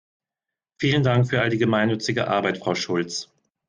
Vielen Dank für all die gemeinnützige Arbeit, Frau Schulz!